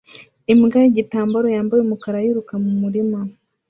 Imbwa yigitambara yambaye umukara yiruka mumurima